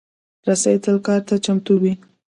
رسۍ تل کار ته چمتو وي.